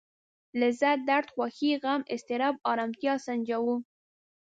لذت درد خوښي غم اضطراب ارامتيا سنجوو.